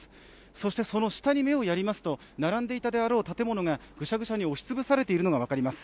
そしてそのしたに目をやりますと並んでいたであろう建物がぐしゃぐしゃに押し潰されているのが分かります。